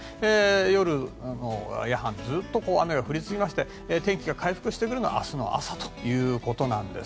夜半、ずっと雨が降り続きまして天気が回復してくるのは明日の朝ということです。